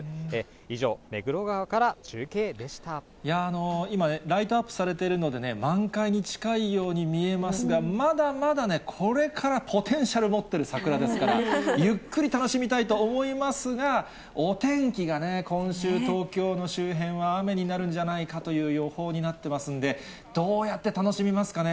以上、今ね、ライトアップされてるのでね、満開に近いように見えますが、まだまだね、これからポテンシャル持ってる桜ですから、ゆっくり楽しみたいと思いますが、お天気がね、今週、東京の周辺は雨になるんじゃないかという予報になってますんで、どうやって楽しみますかね。